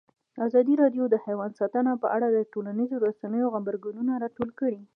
ازادي راډیو د حیوان ساتنه په اړه د ټولنیزو رسنیو غبرګونونه راټول کړي.